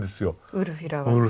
ウルフィラ。